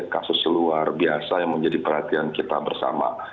kasus luar biasa yang menjadi perhatian kita bersama